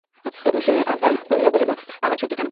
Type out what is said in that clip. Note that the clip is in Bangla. তবু সে আব্দার করিয়া বলিল, আবার খুঁকি কেন?